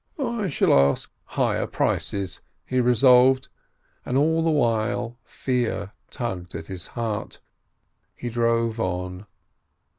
"I shall ask higher prices," he resolved, and all the while fear tugged at his heart. He drove on.